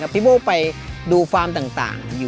พี่โบ้ไปดูฟาร์มต่าง